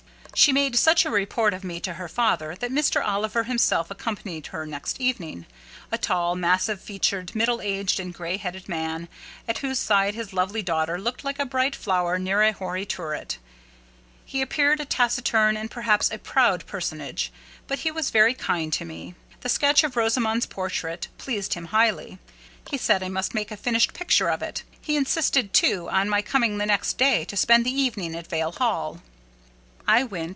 She made such a report of me to her father, that Mr. Oliver himself accompanied her next evening—a tall, massive featured, middle aged, and grey headed man, at whose side his lovely daughter looked like a bright flower near a hoary turret. He appeared a taciturn, and perhaps a proud personage; but he was very kind to me. The sketch of Rosamond's portrait pleased him highly: he said I must make a finished picture of it. He insisted, too, on my coming the next day to spend the evening at Vale Hall. I went.